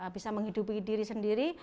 bisa menghidupi diri sendiri